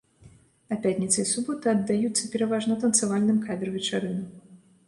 А пятніца і субота аддаюцца пераважна танцавальным кавер-вечарынам.